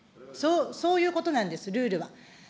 そういうことなんです、ルールは。